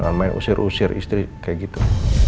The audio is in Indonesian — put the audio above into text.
jangan main usir usir istri kayak gitu